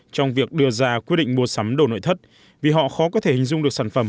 trong việc đưa ra quyết định mua sắm đồ nội thất vì họ khó có thể hình dung được sản phẩm